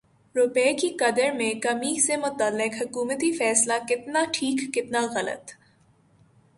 روپے کی قدر میں کمی سے متعلق حکومتی فیصلہ کتنا ٹھیک کتنا غلط